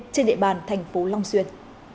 trên địa bàn thành phố long xuyên